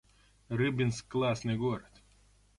Рыбинск — классный город